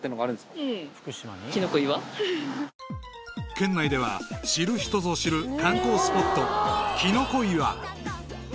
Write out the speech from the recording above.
［県内では知る人ぞ知る観光スポット］